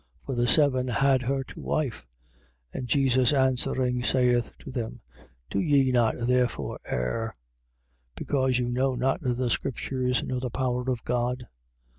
For the seven had her to wife. 12:24. And Jesus answering, saith to them: Do ye not therefore err, because you know not the scriptures nor the power of God?